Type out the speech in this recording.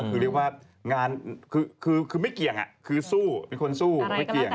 คือไม่เกี่ยงคือสู้เป็นคนสู้ไม่เกี่ยง